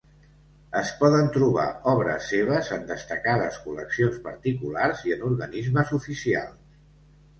Es poden trobar obres seves en destacades col·leccions particulars i en organismes oficials.